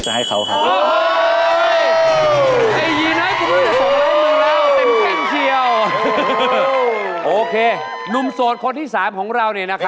กับหมดหัวข้อมูลประจำนวนครับบริการกดแสง